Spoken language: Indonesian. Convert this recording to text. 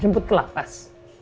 jemput ke lapas